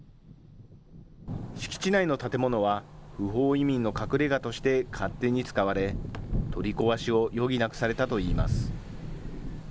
敷地内の建物は不法移民の隠れがとして勝手に使われ、取り壊しを余儀なくされたといいます。